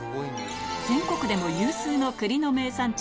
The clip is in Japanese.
全国でも有数の栗の名産地